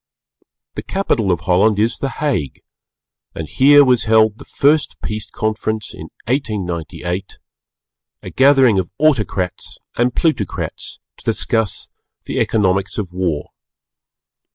The capital of Holland is the Hague, and here was held the first Peace Conference (in 1898), a gathering of Autocrats and Plutocrats to discuss the Economics of War.